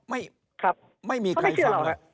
ไม่มีใครยังหรอก